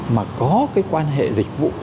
mà có cái quan hệ dịch vụ